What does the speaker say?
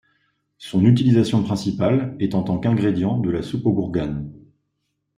Son utilisation principale est en tant qu'ingrédient de la soupe aux gourganes.